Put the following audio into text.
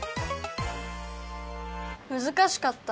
むずかしかった？